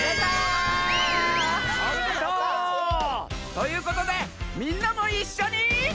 おめでとう！ということでみんなもいっしょに。